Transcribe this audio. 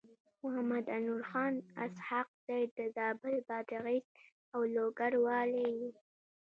محمد انورخان اسحق زی د زابل، بادغيس او لوګر والي و.